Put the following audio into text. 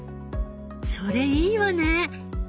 それいいわね！